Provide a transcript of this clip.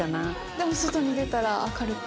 でも外に出たら明るく？